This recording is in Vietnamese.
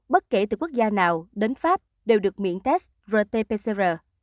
bất kể từ quốc gia nào đến pháp đều được miễn test rt pcr